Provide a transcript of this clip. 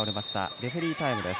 レフェリータイムです。